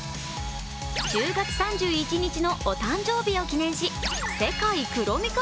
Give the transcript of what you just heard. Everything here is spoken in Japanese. １０月３１日のお誕生日を記念し世界クロミ化